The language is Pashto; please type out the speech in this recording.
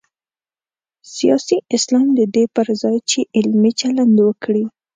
سیاسي اسلام د دې پر ځای چې علمي چلند وکړي.